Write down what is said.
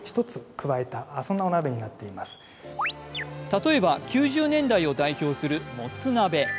例えば９０年代を代表するもつ鍋。